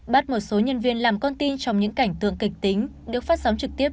bắt một số nhân viên làm con tin trong những cảnh tượng kịch tính được phát sóng trực tiếp